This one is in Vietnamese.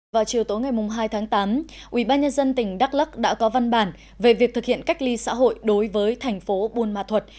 vào chiều tối ngày hai tháng tám ubnd tỉnh đắk lắc đã có văn bản về việc thực hiện cách ly xã hội đối với thành phố buôn ma thuật